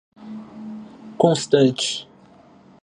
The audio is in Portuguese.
constante